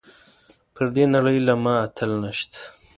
پر دې نړۍ له ما اتل نشته .